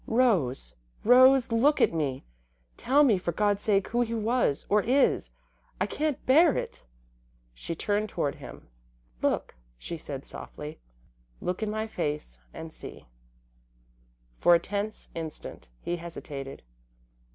"Rose! Rose! Look at me! Tell me, for God's sake, who he was or is. I can't bear it!" She turned toward him. "Look," she said, softly. "Look in my face and see." For a tense instant he hesitated.